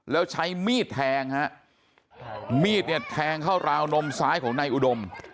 แล้วใช้มีดแทงฮะมีดเนี่ยแทงเข้าราวนมซ้ายของนายอุดม